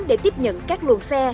để tiếp nhận các luồng xe